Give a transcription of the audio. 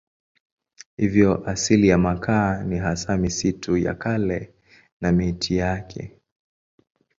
Hivyo asili ya makaa ni hasa misitu ya kale na miti yake.